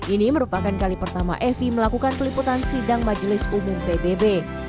ini merupakan kali pertama evi melakukan peliputan sidang majelis umum pbb